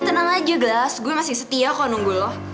tenang aja gelas gue masih setia kalau nunggu lo